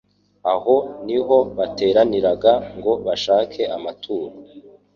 Aho ni ho bateraniraga ngo bashake amaturo.